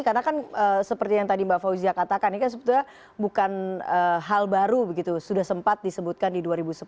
karena kan seperti yang tadi mbak fauzia katakan ini kan sebetulnya bukan hal baru sudah sempat disebutkan di dua ribu sepuluh